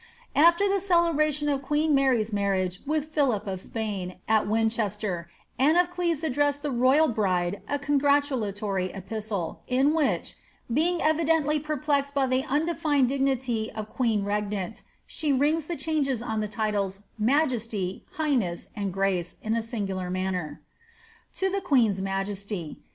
AAer the celebration of queen Mary^s marriage with Philip of Spain, t Winchester, Anne of Cleves addressed to the ro3ral bride a congratn itory epistle, in which, being evidently perplexed by the undefined Ivnity of queen regnant, she rings the changes on the titles ^ majesty,^ 'uighness,'' and "grace,^' in a singular manner : •*To the Queen's Majesty.